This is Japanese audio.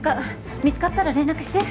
見つかったら連絡して。